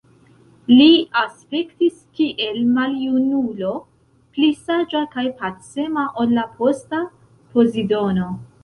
Li aspektis kiel maljunulo, pli saĝa kaj pacema ol la posta Pozidono.